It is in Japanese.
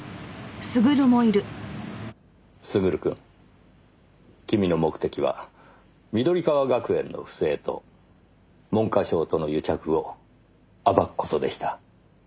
優くん君の目的は緑川学園の不正と文科省との癒着を暴く事でした。